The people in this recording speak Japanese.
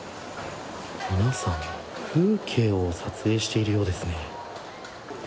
皆さん、風景を撮影しているようですね。